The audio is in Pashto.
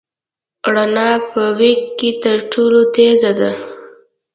رڼا په وېګ کې تر ټولو تېز ده.